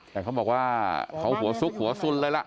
แต่เขาบอกว่าเขาหัวซุกหัวสุนเลยล่ะ